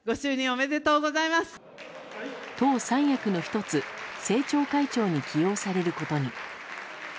党三役の１つ政調会長に起用されることに。